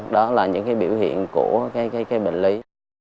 đó là những cái biểu hiện của bệnh lý